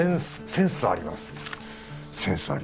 センスあります